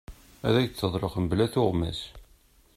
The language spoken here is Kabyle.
Ad ak-d-teḍleq mebla tuɣmas.